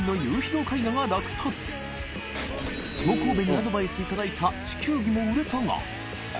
アドバイスいただいた地球儀も売れたが礇┘